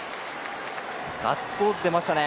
ガッツポーズ出ましたね。